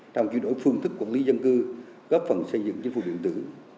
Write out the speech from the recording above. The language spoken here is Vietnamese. trong chuyển đổi phương thức quản lý dân cư góp phần xây dựng chính phủ điện tử